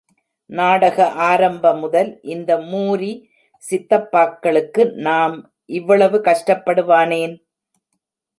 நாடக ஆரம்ப முதல், இந்த மூரி சித்தப்பாக்களுக்கு நாம் இவ்வளவு கஷ்டப்படுவானேன்?